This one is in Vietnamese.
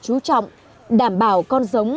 trú trọng đảm bảo con giống